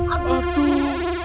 aduh apa tuh